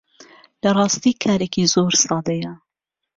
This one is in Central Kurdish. لە ڕاستی کارێکی زۆر سادەیە